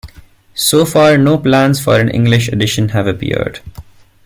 So far no plans for an English edition have appeared.